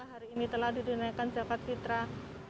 hari ini telah ditunaikan zakat fitrah